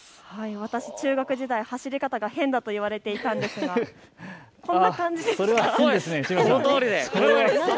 私、中学時代、走り方が変だと言われていたんですが、こんな感じですか。